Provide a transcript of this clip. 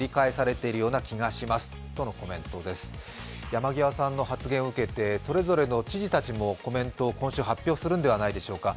山際さんの発言を受けてそれぞれの知事もコメントを発表されるんじゃないでしょうか。